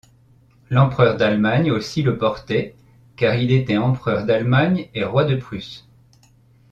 L'empereur d'Allemagne aussi le portait car il était empereur d'Allemagne et roi de Prusse.